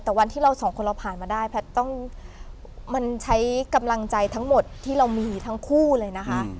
แต่วันที่เราสองคนเราผ่านมาได้แพทย์ต้องมันใช้กำลังใจทั้งหมดที่เรามีทั้งคู่เลยนะคะ